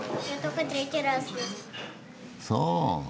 そう。